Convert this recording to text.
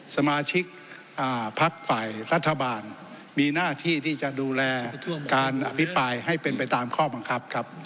สมาชิกพักฝ่ายรัฐบาลมีหน้าที่ที่จะดูแลการอภิปรายให้เป็นไปตามข้อบังคับครับ